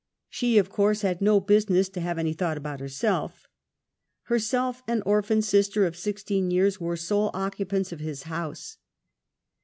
{She of course had no busi ness to have any thought about herself.) Herself and orphan sister of sixteen years were sole occupants of his house.